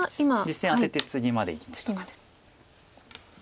実戦アテてツギまでいきました。